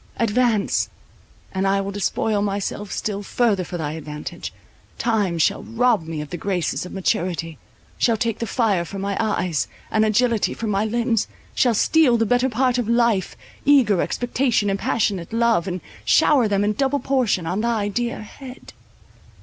Advance; and I will despoil myself still further for thy advantage. Time shall rob me of the graces of maturity, shall take the fire from my eyes, and agility from my limbs, shall steal the better part of life, eager expectation and passionate love, and shower them in double portion on thy dear head.